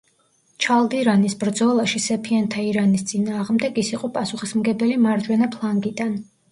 ჩალდირანის ბრძოლაში, სეფიანთა ირანის წინააღმდეგ, ის იყო პასუხისმგებელი მარჯვენა ფლანგიდან.